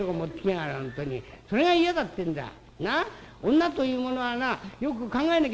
女というものはなよく考えなきゃいけねえぞ。